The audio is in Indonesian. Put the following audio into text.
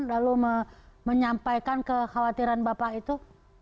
lalu menyampaikan kekhawatiran bapak itu